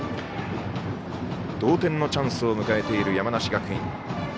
同点のチャンスを迎えている山梨学院。